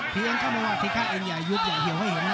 พี่เอ็งเข้ามาว่าพี่ข้าเองอย่ายุดอย่าเหี่ยวให้เห็นนะ